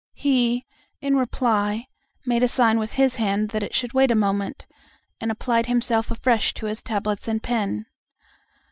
He, in reply, made a sign with his hand that it should wait a moment, and applied himself afresh to his tablets and pen.